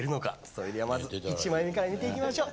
それではまず１枚目から見ていきましょう！